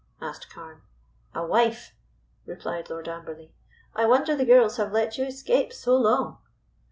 asked Carne. "A wife," replied Lord Amberley. "I wonder the girls have let you escape so long."